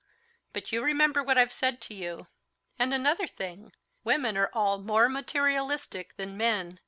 But you remember what I've said to you. And another thing, women are all more materialistic than men.